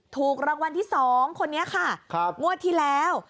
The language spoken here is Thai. ถูกรางวัลที่๒คนนี้ค่ะงวดที่แล้ว